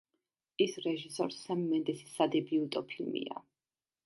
ის რეჟისორ სემ მენდესის სადებიუტო ფილმია.